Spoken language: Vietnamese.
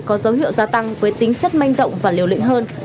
có dấu hiệu gia tăng với tính chất manh động và liều lĩnh hơn